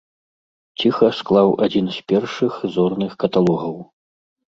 Ціха склаў адзін з першых зорных каталогаў.